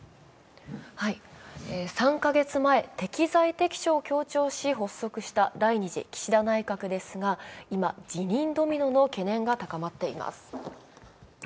３か月前、適材適所を強調し発足した第２次岸田内閣ですが、今、辞任ドミノの懸念が高まっています。